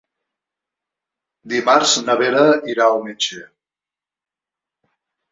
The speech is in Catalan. Dimarts na Vera irà al metge.